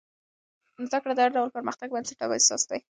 زده کړه د هر ډول پرمختګ بنسټ او اساس دی.